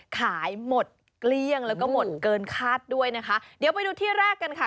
ขายหมดเกลี้ยงแล้วก็หมดเกินคาดด้วยนะคะเดี๋ยวไปดูที่แรกกันค่ะ